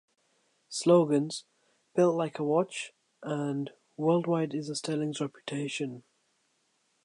Slogans: "Built like a watch" and "Worldwide is the Sterling's reputation"